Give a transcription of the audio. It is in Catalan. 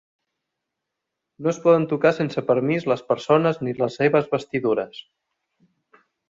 No es poden tocar sense permís les persones ni les seves vestidures.